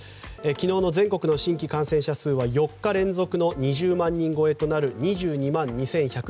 昨日の全国の新規感染者数は４日連続の２０万人超えとなる２２万２１９３人。